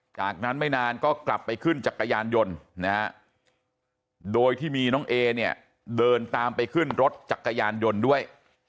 จากนั้นไม่นานก็กลับไปขึ้นจักรยานยนต์นะฮะโดยที่มีน้องเอเนี่ยเดินตามไปขึ้นรถจักรยานยนต์ด้วย